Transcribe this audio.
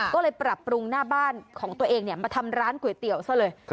ก็เลยปรับปรุงหน้าบ้านของตัวเองมาทำร้านก๋วยเตี๋ยวซะเลย